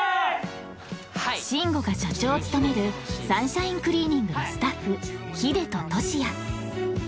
慎吾が社長を務めるサンシャインクリーニングのスタッフヒデと俊哉